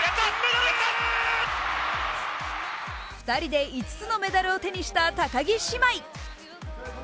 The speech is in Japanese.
２人で５つのメダルを手にした高木姉妹。